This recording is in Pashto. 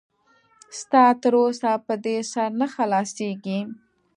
ستا تر اوسه په دې سر نه خلاصېږي.